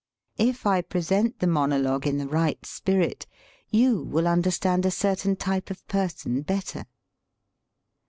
If I present the monologue in the right spirit you will understand a certain type of person better.